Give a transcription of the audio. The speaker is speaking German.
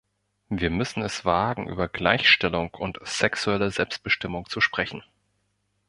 Wir müssen es wagen, über Gleichstellung und sexuelle Selbstbestimmung zu sprechen.